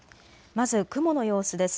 まず雲の様子です。